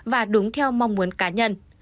và đúng theo mong muốn cá nhân